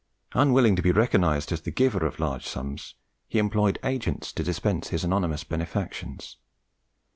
Unwilling to be recognised as the giver of large sums, he employed agents to dispense his anonymous benefactions.